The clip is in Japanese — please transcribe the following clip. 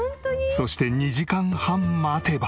そして２時間半待てば。